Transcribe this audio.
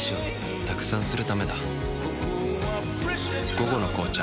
「午後の紅茶」